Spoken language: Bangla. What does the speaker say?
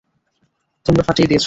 তোমরা ফাটিয়ে দিয়েছ।